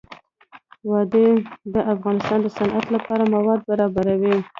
وادي د افغانستان د صنعت لپاره مواد برابروي.